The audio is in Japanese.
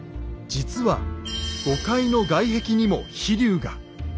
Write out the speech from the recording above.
実は５階の外壁にも飛龍が。